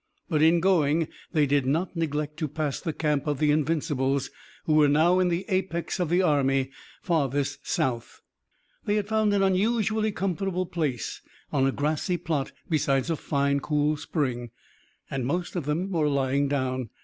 But in going they did not neglect to pass the camp of the Invincibles who were now in the apex of the army farthest south. They had found an unusually comfortable place on a grassy plot beside a fine, cool spring, and most of them were lying down.